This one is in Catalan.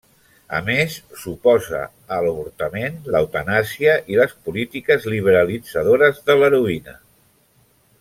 A més, s'oposa a l'avortament, l'eutanàsia, i les polítiques liberalitzadores de l'heroïna.